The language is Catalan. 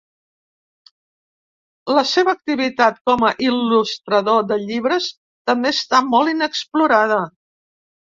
La seva activitat com a il·lustrador de llibres també està molt inexplorada.